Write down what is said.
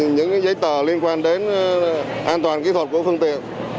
những giấy tờ liên quan đến an toàn kỹ thuật của phương tiện